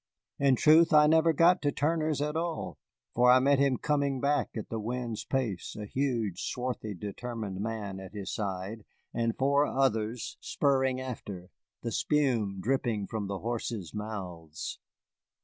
In truth, I never got to Turner's at all, for I met him coming back at the wind's pace, a huge, swarthy, determined man at his side and four others spurring after, the spume dripping from the horses' mouths.